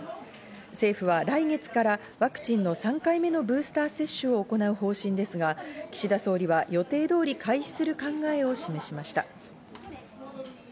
政府は来月からワクチンの３回目のブースター接種を行う方針ですが、岸田総理は予定通り開始する考えを示しました。